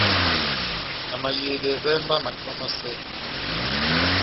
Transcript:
Na mahiyedɛ, vɛ́hɛ mba madíma má sɛyi !